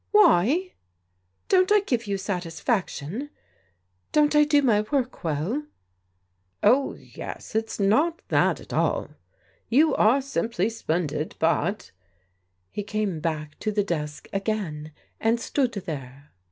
"Why? Don't I give you satisfaction? Don't I do my work well ?"" Oh, yes. It's not that at all. You are simply splen did, but," he came back to the desk again and stood there.